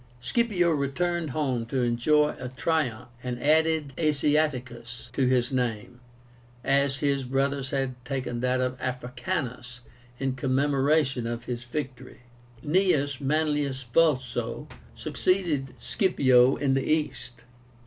Scipio returned home to enjoy a triumph, and added ASIATICUS to his name, as his brother had taken that of Africanus in commemoration of his victory. Gneius Manlius Vulso succeeded Scipio in the East.